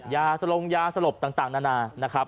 ยาสลงยาสลบต่างนานานะครับ